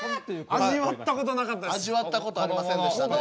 味わったことありませんでしたね。